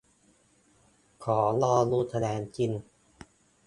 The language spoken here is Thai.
ขอรอดูคะแนนจริง